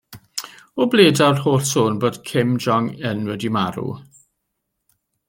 O ble daw'r holl sôn bod Kim Jong-un wedi marw?